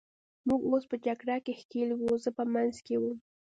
موږ اوس په جګړه کې ښکېل وو، زه په منځ کې وم.